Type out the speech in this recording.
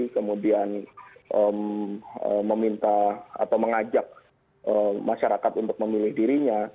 kemudian meminta atau mengajak masyarakat untuk memilih dirinya